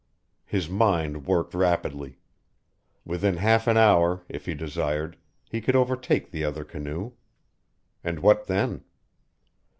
His mind worked rapidly. Within half an hour, if he desired, he could overtake the other canoe. And what then?